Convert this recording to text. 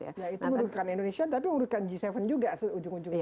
itu menurutkan indonesia tapi menurutkan g tujuh juga seujung ujungnya